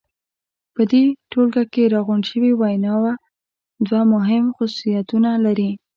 په دې ټولګه کې راغونډې شوې ویناوی دوه مهم خصوصیتونه لري.